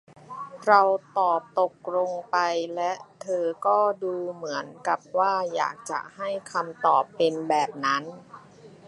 เราตอบตกลงไป และเธอก็ดูเหมือนกับว่าอยากจะให้คำตอบเป็นแบบนั้น